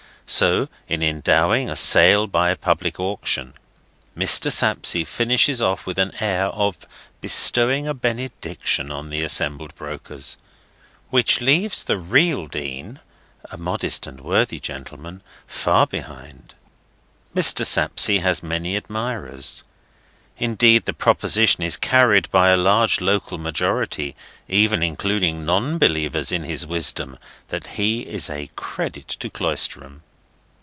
So, in ending a Sale by Public Auction, Mr. Sapsea finishes off with an air of bestowing a benediction on the assembled brokers, which leaves the real Dean—a modest and worthy gentleman—far behind. Mr. Sapsea has many admirers; indeed, the proposition is carried by a large local majority, even including non believers in his wisdom, that he is a credit to Cloisterham.